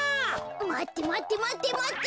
まってまってまってまって。